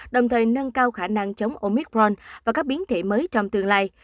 đồng thời nâng cao khả năng chống oicron và các biến thể mới trong tương lai